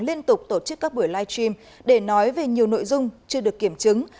liên tục tổ chức các buổi live stream để nói về nhiều nội dung chưa được kiểm chứng